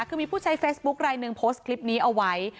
คือมีผู้ใช้เฟซบุ๊คลายหนึ่งโพสต์คลิปนี้เอาไว้